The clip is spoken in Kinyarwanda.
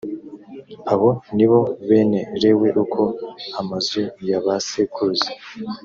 abo ni bo bene lewi uko amazu ya ba sekuruza